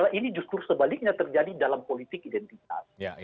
karena ini justru sebaliknya terjadi dalam politik identitas